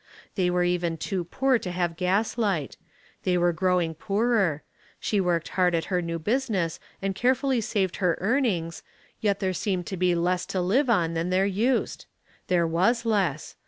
They were even too poor to have gaslight; they were growing poorer, she worked hard at her new business and care fully saved her earnings, yet there seemed to be less to live on than there used. There was less.